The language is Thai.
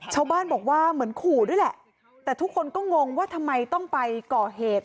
ชาวบ้านบอกว่าเหมือนขู่ด้วยแหละแต่ทุกคนก็งงว่าทำไมต้องไปก่อเหตุ